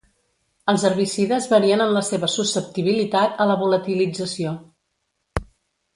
Els herbicides varien en la seva susceptibilitat a la volatilització.